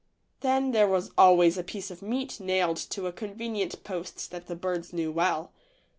Then there was always a piece of meat nailed to a convenient post that the birds knew well.